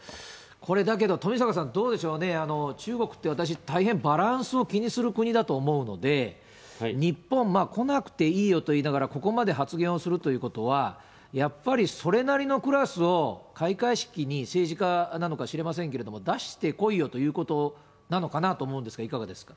これ、だけど富坂さんどうでしょうね、中国って、私、大変バランスを気にする国だと思うので、日本、まあ、来なくていいよと言いながら、ここまで発言をするということは、やっぱりそれなりのクラスを開会式に、政治家なのか知りませんけど、出してこいよということなのかなと思うんですが、いかがですか。